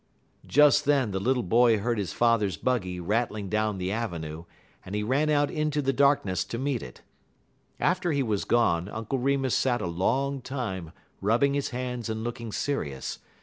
Just then the little boy heard his father's buggy rattling down the avenue, and he ran out into the darkness to meet it. After he was gone, Uncle Remus sat a long time rubbing his hands and looking serious.